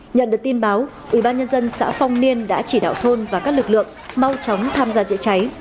nhận được tin báo ubnd xã phong niên đã chỉ đạo thôn và các lực lượng mau chóng tham gia chữa cháy